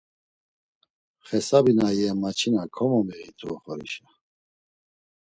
Xesabi na iyen maçina komomiğitu oxorişa.